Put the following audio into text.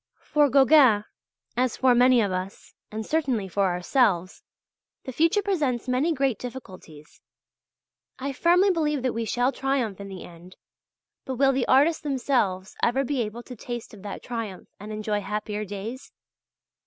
For Gauguin as for many of us, and certainly for ourselves the future presents many great difficulties. I firmly believe that we shall triumph in the end; but will the artists themselves ever be able to taste of that triumph and enjoy happier days?